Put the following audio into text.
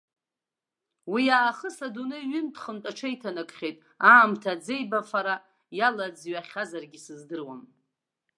Уиаахыс адунеи ҩынтә-хынтә аҽеиҭанакхьеит, аамҭа ӡеибафара иалаӡҩахьазаргьы сыздыруам.